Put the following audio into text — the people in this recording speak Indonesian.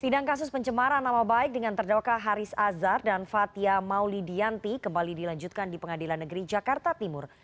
sidang kasus pencemaran nama baik dengan terdakwa haris azhar dan fathia mauli dianti kembali dilanjutkan di pengadilan negeri jakarta timur